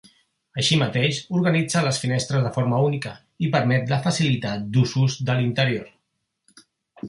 Així mateix, organitza les finestres de forma única i permet la facilitat d'usos de l'interior.